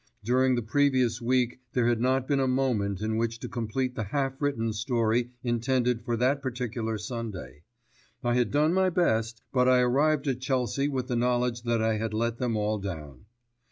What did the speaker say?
During the previous week there had not been a moment in which to complete the half written story intended for that particular Sunday. I had done my best; but I arrived at Chelsea with the knowledge that I had let them all down.